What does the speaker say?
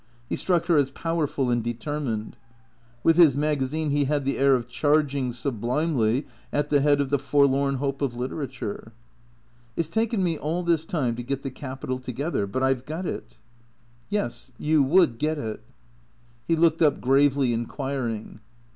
He struck her as powerful and de termined. With his magazine, he had the air of charging, sub limely, at the head of the forlorn hope of literature. " It 's taken me all this time to get the capital together. But I 've got it." 144 THE CKEA TOES " Yes. You would get it." He looked up gravely inquiring.